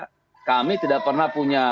kalau saya kami tidak pernah punya survei